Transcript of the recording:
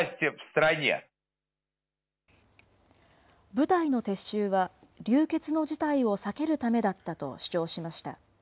部隊の撤収は流血の事態を避けるためだったと主張しました。